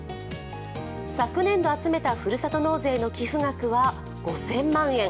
昨年度集めたふるさと納税の寄付額は５０００万円。